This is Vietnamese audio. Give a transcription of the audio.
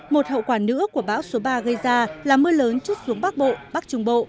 một hậu quả nữa của bão số ba gây ra là mưa lớn chút xuống bắc bộ bắc trung bộ